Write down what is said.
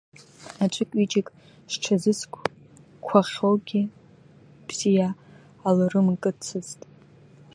Аӡәык-ҩыџьак зҽазызкқәахьоугьы бзиа алрымгацызт.